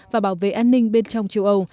và bảo vệ an ninh bên trong châu âu